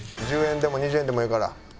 １０円でも２０円でもええから。